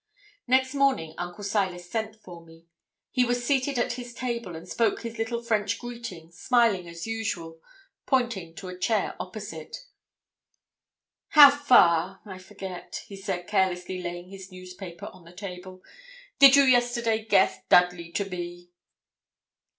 Next morning Uncle Silas sent for me. He was seated at his table, and spoke his little French greeting, smiling as usual, pointing to a chair opposite. 'How far, I forget,' he said, carelessly laying his newspaper on the table, 'did you yesterday guess Dudley to be?'